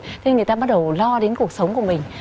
thế người ta bắt đầu lo đến cuộc sống của mình